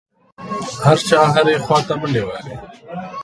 هر چا هرې خوا ته منډې وهلې.